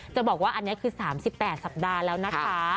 จะบอกว่าอันนี้คือ๓๘สัปดาห์แล้วนะคะ